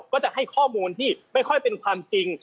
ก็จะให้ข้อมูลที่ไม่ค่อยเป็นความจริง